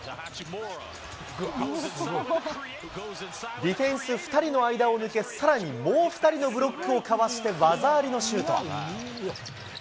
ディフェンス２人の間を抜け、さらにもう２人のブロックをかわして技ありのシュート。